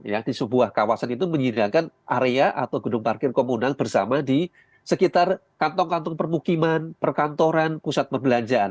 ya di sebuah kawasan itu menyediakan area atau gedung parkir komunal bersama di sekitar kantong kantong permukiman perkantoran pusat perbelanjaan